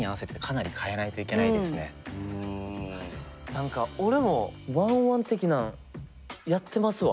何か俺も１ｏｎ１的なんやってますわ。